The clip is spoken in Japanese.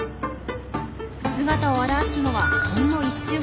姿を現すのはほんの一瞬。